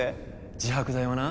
自白剤はな